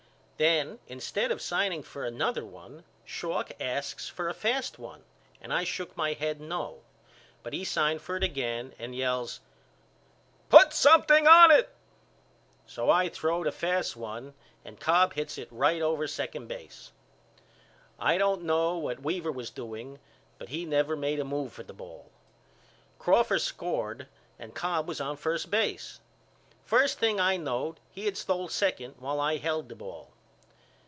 Then instead of signing for another one Schalk asks for a fast one and I shook my head no but he signed for it again and yells Put something on it. So I throwed a fast one and Cobb hits it right over second base. I don't know what Weaver was doing but he never made a move for the ball. Crawford scored and Cobb was on first base. First thing I knowed he had stole second while I held the ball.